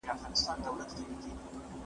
علم په عمل ښکلی دی.